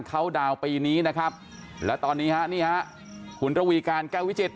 เขาดาวน์ปีนี้นะครับแล้วตอนนี้ฮะนี่ฮะคุณระวีการแก้ววิจิต